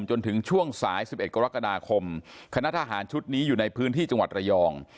จนถึงช่วงสาย๑๑กรกฎาคมคณะทหารชุดนี้อยู่ในพื้นที่จังหวัดระยอง